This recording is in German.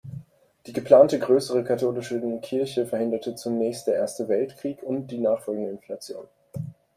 Die geplante größere katholischen Kirche verhinderte zunächst der Erste Weltkrieg und die nachfolgende Inflation.